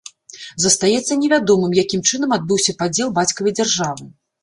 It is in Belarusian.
Застаецца невядомым, якім чынам адбыўся падзел бацькавай дзяржавы.